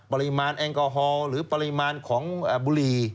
ปริมาณแอลกอฮอล์หรือปริมาณของบุหรี่